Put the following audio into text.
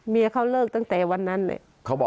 เขาเลิกตั้งแต่วันนั้นเลย